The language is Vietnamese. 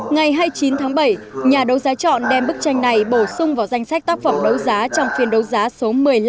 ngày hai mươi chín tháng bảy nhà đấu giá chọn đem bức tranh này bổ sung vào danh sách tác phẩm đấu giá trong phiên đấu giá số một mươi năm